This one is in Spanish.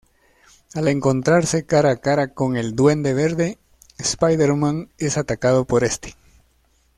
Al encontrarse cara a cara con el Duende Verde, Spider-Man es atacado por este.